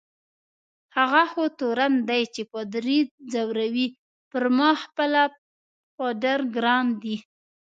هغه خو تورن دی چي پادري ځوروي، پر ما خپله پادر ګران دی.